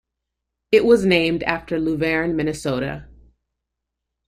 It was named after Luverne, Minnesota.